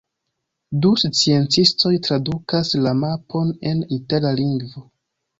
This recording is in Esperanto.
Du sciencistoj tradukas la mapon en itala lingvo.